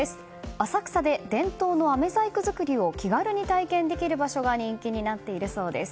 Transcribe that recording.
浅草で伝統のあめ細工作りを気軽に体験できる場所が人気になっているそうです。